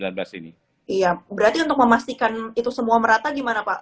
iya berarti untuk memastikan itu semua merata gimana pak